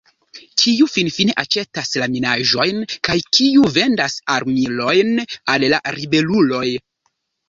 Kiu finfine aĉetas la minaĵojn kaj kiu vendas armilojn al la ribeluloj?